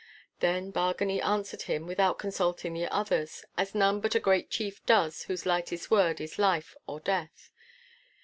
Then Bargany answered him without consulting the others, as none but a great chief does whose lightest word is life or death.